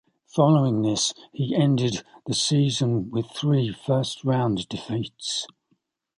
Following this he ended the season with three first round defeats.